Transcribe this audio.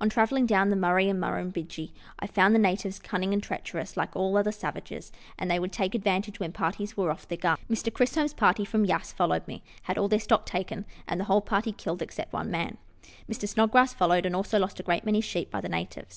On travelling down the Murray and Murrumbidgee, I found the natives cunning and treacherous, like all other savages, and they would take advantage when parties were off their guard. Mr. Chisholm's party, from Yass, who followed me, had all their stock taken, and the whole party killed except one man. Mr. Snodgrass followed, and also lost a great many sheep by the natives.